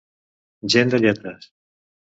Gent de lletres.